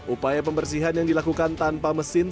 upaya pembersihan yang dilakukan tanpa mesin